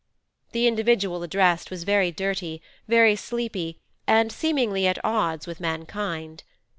The individual addressed was very dirty, very sleepy, and seemingly at odds with mankind.